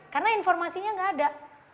karena informasinya nggak ada